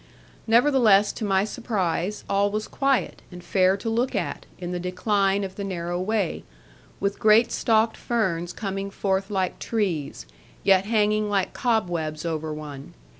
Nevertheless to my surprise, all was quiet, and fair to look at, in the decline of the narrow way, with great stalked ferns coming forth like trees, yet hanging like cobwebs over one.